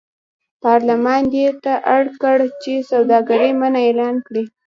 پارلمان دې ته اړ کړ چې سوداګري منع اعلان کړي.